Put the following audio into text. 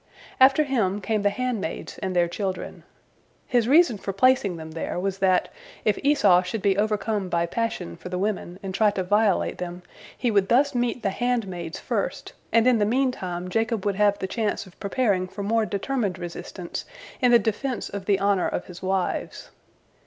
" After him came the handmaids and their children. His reason for placing them there was that, if Esau should be overcome by passion for the women, and try to violate them, he would thus meet the handmaids first, and in the meantime Jacob would have the chance of preparing for more determined resistance in the defense of the honor of his wives.